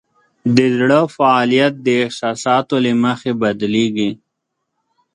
د زړه فعالیت د احساساتو له مخې بدلېږي.